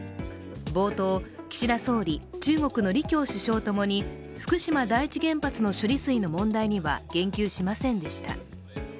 冒頭、岸田総理、中国の李強首相ともに福島第一原発の処理水の問題には言及しませんでした。